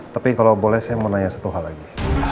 tapi kalau boleh saya mau nanya satu hal lagi